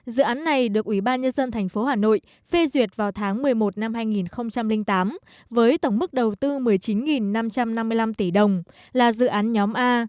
dự án này được ủy ban nhân dân tp hà nội phê duyệt vào tháng một mươi một năm hai nghìn tám với tổng mức đầu tư một mươi chín năm trăm năm mươi năm tỷ đồng là dự án nhóm a